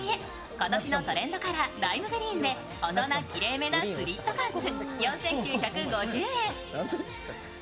今年のトレンドカラー・ライムグリーンで大人きれいめのスリットパンツ。